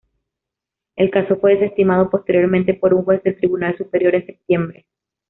El caso fue desestimado posteriormente por un juez del Tribunal Superior en septiembre.